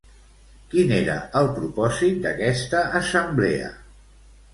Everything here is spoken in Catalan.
Quin era el propòsit d'aquesta assemblea?